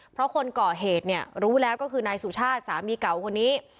เพราะคนก่อเหตุเนี่ยรู้แล้วก็คือนายสุชาติสามีเก่าคนนี้